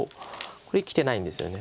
これ生きてないんですよね。